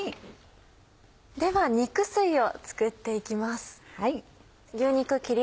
では肉吸いを作っていきます。